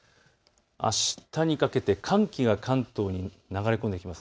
あしたにかけて寒気が関東に流れ込んできます。